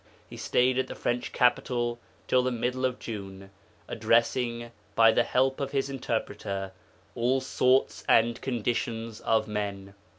He stayed at the French capital till the middle of June, addressing (by the help of His interpreter) 'all sorts and conditions of men.'